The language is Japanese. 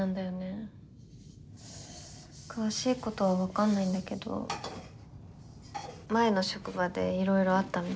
詳しいことは分かんないんだけど前の職場でいろいろあったみたい。